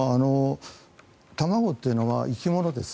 卵というのは生き物です。